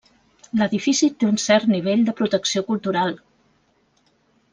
L'edifici té un cert nivell de protecció cultural.